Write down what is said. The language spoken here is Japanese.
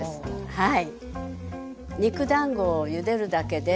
はい。